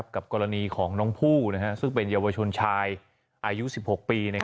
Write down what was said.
กรณีของน้องผู้ซึ่งเป็นเยาวชนชายอายุ๑๖ปี